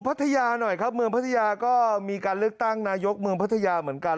พัทยาหน่อยครับเมืองพัทยาก็มีการเลือกตั้งนายกเมืองพัทยาเหมือนกัน